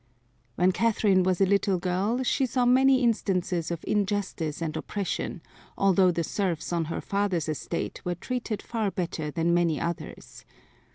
When Catherine was a little girl she saw many instances of injustice and oppression, although the serfs on her father's estate were treated far better than many others.